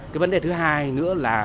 cái vấn đề thứ hai nữa là